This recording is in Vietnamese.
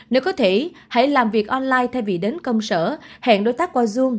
nếu có thể hãy làm việc online thay vì đến công sở hẹn đối tác qua zuo